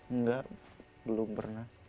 enggak belum pernah